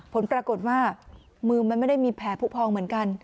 ผลปรากฏว่ามือมันไม่ได้มีแผลผู้พองเหมือนกัน